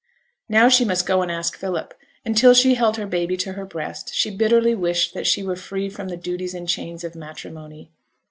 Now she must go and ask Philip; and till she held her baby to her breast, she bitterly wished that she were free from the duties and chains of matrimony.